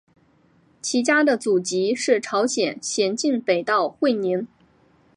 其家的祖籍是朝鲜咸镜北道会宁。